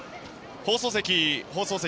放送席。